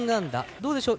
どうでしょうか？